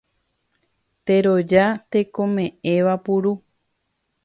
Teroja tekome'ẽva puru.